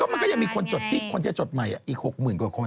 ก็มันก็ยังมีคนที่จะจดใหม่อีกหกหมื่นกว่าคน